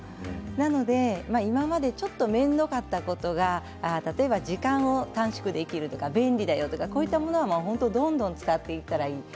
なので今までちょっと面倒だったこととか例えば時間を短縮できるとか便利だよとかこういったものはどんどん使っていただいて。